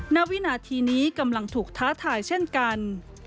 ณวินาทีนี้กำลังถูกท้าทายเช่นกัน